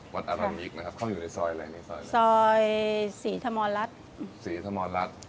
วัดอัรันยิคนะครับ